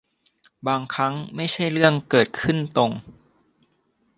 บางครั้งไม่ใช่เรื่องเกิดขึ้นตรง